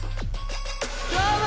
どうも！